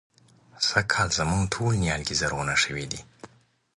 سږکال زموږ ټول نيالګي زرغونه شوي دي.